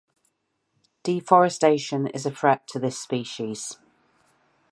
Deforestation is a threat to this species.